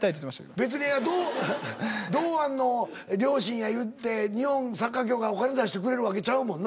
別に堂安の両親やいって日本サッカー協会お金出してくれるわけちゃうもんな。